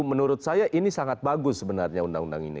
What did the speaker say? menurut saya ini sangat bagus sebenarnya undang undang ini